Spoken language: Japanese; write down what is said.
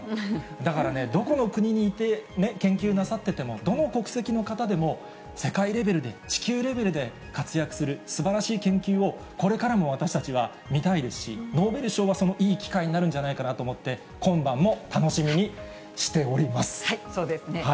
だからね、どこの国にいて研究なさってても、どの国籍の方でも、世界レベルで、地球レベルで活躍するすばらしい研究を、これからも私たちは見たいですし、ノーベル賞はそのいい機会になるんじゃないかなと思って、今晩もそうですね。